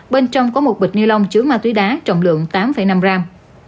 bên trong có một bịch ni lông chứa ma túy đá trọng lượng tám năm gram